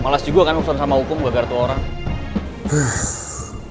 malas juga kan nukesan sama hukum gak ngerti orang